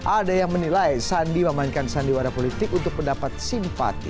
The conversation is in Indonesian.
ada yang menilai sandi memainkan sandiwara politik untuk mendapat simpati